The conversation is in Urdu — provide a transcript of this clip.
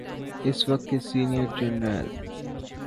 اس وقت کے سینئر جرنیل۔